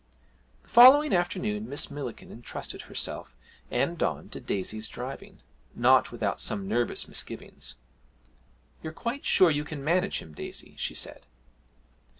The following afternoon Miss Millikin entrusted herself and Don to Daisy's driving, not without some nervous misgivings. 'You're quite sure you can manage him, Daisy?' she said.